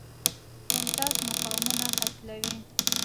ممتاز مقامونه حاصلوي.